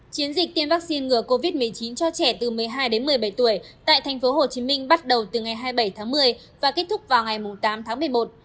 chiến dịch tiêm vaccine ngừa covid một mươi chín cho trẻ từ một mươi hai đến một mươi bảy tuổi tại tp hcm bắt đầu từ ngày hai mươi bảy tháng một mươi và kết thúc vào ngày tám tháng một mươi một